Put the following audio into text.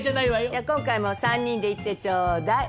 じゃあ今回も３人で行ってちょうだい。